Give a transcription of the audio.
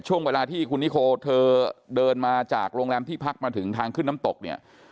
ช่วงเวลาที่คุณนิโคเธอเดินมาจากโรงแรมที่พักมาถึงทางขึ้นน้ำตกเนี่ย